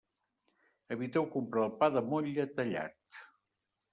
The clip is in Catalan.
Eviteu comprar el pa de motlle tallat.